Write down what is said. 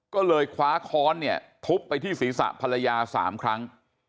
ก็เลยคว้าค้อนเนี่ยทุบไปที่ศีรษะภรรยา๓ครั้ง